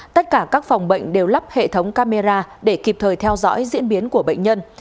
tất cả các phòng bệnh đều lắp hệ thống camera để kịp thời theo dõi diễn biến của bệnh nhân